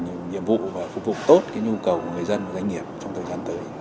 đồng hành nhiệm vụ và phục vụ tốt cái nhu cầu của người dân và doanh nghiệp trong thời gian tới